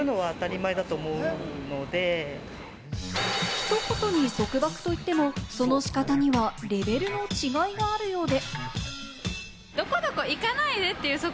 ひと言に束縛といっても、その仕方にはレベルの違いがあるようで。